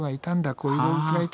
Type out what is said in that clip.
こういう動物がいたんだ